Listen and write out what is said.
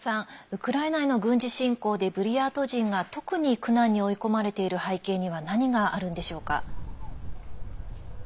ウクライナへの軍事侵攻でブリヤート人が特に苦難に追い込まれている背景には何があるんでしょうか。